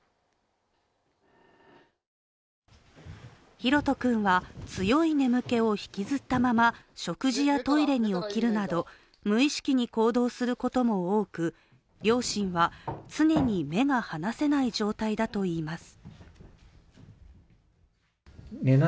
ひろと君は強い眠気を引きずったまま食事やトイレに起きるなど無意識に行動することも多く両親は常に目が離せない状態だといいます。